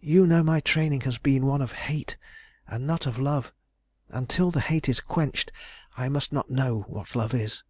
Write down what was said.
You know my training has been one of hate and not of love, and till the hate is quenched I must not know what love is.